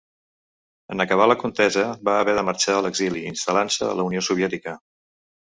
En acabar la contesa va haver de marxar a l'exili, instal·lant-se a la Unió Soviètica.